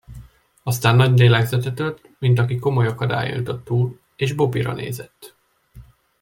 Aztán nagy lélegzetet vett, mint aki komoly akadályon jutott túl, és Bobbyra nézett.